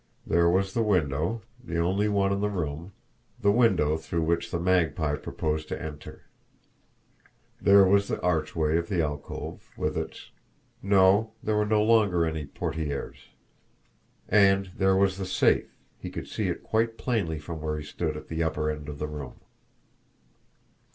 There was the window, the only one in the room, the window through which the Magpie proposed to enter; there was the archway of the alcove, with its no, there were no longer any portieres; and there was the safe, he could see it quite plainly from where he stood at the upper end of the room.